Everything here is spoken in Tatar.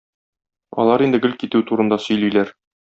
Алар инде гел китү турында сөйлиләр